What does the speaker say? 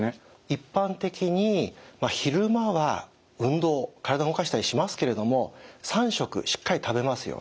一般的に昼間は運動体動かしたりしますけれども３食しっかり食べますよね。